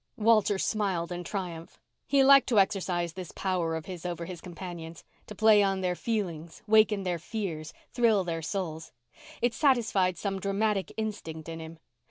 Walter smiled in triumph. He liked to exercise this power of his over his companions—to play on their feelings, waken their fears, thrill their souls. It satisfied some dramatic instinct in him.